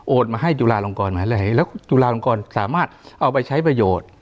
มาให้จุฬาลงกรมหาวิทยาลัยแล้วจุฬาลงกรสามารถเอาไปใช้ประโยชน์